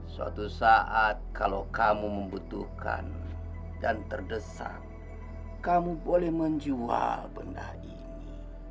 suatu saat kalau kamu membutuhkan dan terdesak kamu boleh menjual benda ini